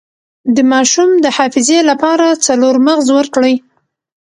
د ماشوم د حافظې لپاره څلور مغز ورکړئ